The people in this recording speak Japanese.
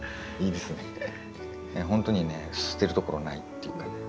いやほんとにね捨てるところないっていうかね